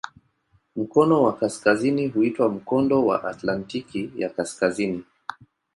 Mkono wa kaskazini huitwa "Mkondo wa Atlantiki ya Kaskazini".